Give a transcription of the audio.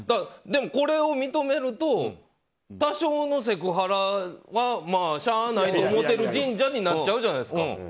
でも、これを認めると多少のセクハラはしゃあないと思っている神社になっちゃうじゃないですか。